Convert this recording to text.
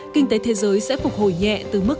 kinh tế thế giới sẽ phục hồi nhẹ từ mức